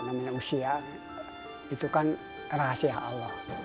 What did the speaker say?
namanya usia itu kan rahasia allah